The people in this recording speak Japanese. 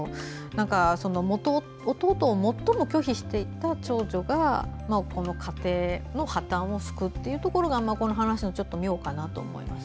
弟を最も拒否していた長女がこの家庭の破綻を救うっていうことが話の妙かなと思います。